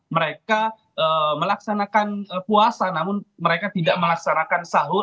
mereka melaksanakan puasa namun mereka tidak melaksanakan sahur